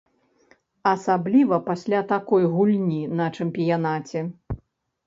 Асабліва пасля такой гульні на чэмпіянаце.